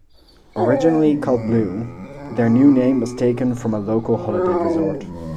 Originally called Blew, their new name was taken from a local holiday resort.